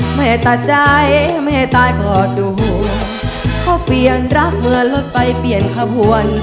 ไม่ให้ตาใจไม่ให้ตายก็ดูเขาเปลี่ยนรักเหมือนรถไปเปลี่ยนข้าวหวน